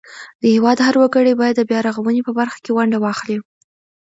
د هیواد هر وګړی باید د بیارغونې په برخه کې ونډه واخلي.